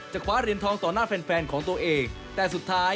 จะขว้เรียนทองต่อหน้าแฟนของตัวเอง